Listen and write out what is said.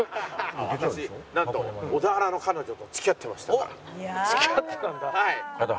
私なんと小田原の彼女と付き合ってましたから。